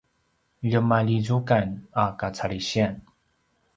ljemalizukan a kacalisiyan